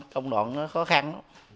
công đoạn khó khăn